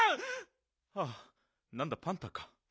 あっなんだパンタか。